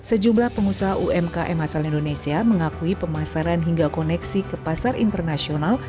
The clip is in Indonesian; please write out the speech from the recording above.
sejumlah pengusaha umkm asal indonesia mengakui pemasaran hingga koneksi ke pasar internasional